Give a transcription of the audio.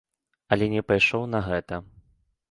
Але не пайшоў на гэта.